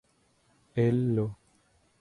El lo.